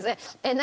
何？